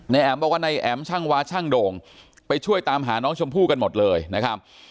แอ๋มบอกว่านายแอ๋มช่างวาช่างโด่งไปช่วยตามหาน้องชมพู่กันหมดเลยนะครับ